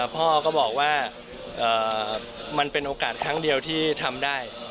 พ่อก็บอกว่ามันเป็นโอกาสครั้งเดียวที่ทำได้